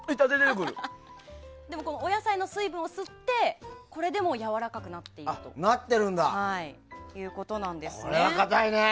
お野菜の水分を吸ってこれでもやわらかくなっているということなんですね。